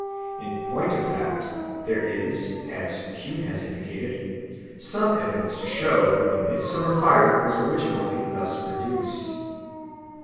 In point of fact there is, as Kuhn has indicated, some evidence to show that the midsummer fire was originally thus produced.